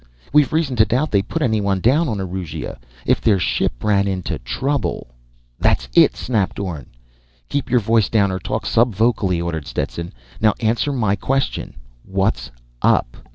We've reason to doubt they put anyone down on Auriga. If their ship ran into trouble "_ "That's it!" snapped Orne. "Keep your voice down or talk subvocally." ordered Stetson. _"Now, answer my question: What's up?"